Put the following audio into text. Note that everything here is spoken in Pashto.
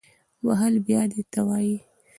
وهل بیا دې ته وایي